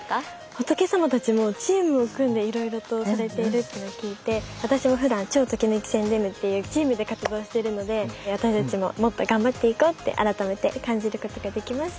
仏さまたちもチームを組んでいろいろとされているというのを聞いて私もふだん超ときめき宣伝部っていうチームで活動してるので私たちももっと頑張っていこうって改めて感じることができました。